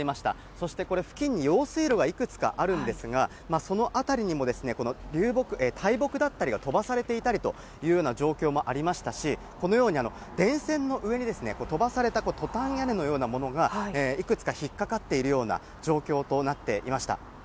そしてこれ、付近に用水路がいくつかあるんですが、その辺りにも、この流木、大木だったりが飛ばされていたりというような状況もありましたし、このように電線の上に飛ばされたトタン屋根のようなものがいくつか引っ掛かっているような状況となっていました。